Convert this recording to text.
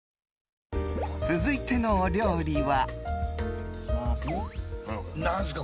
続いてのお料理は。